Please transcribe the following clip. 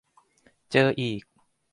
เจออีก